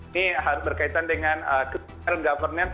ini berkaitan dengan digital governance